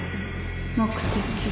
目的。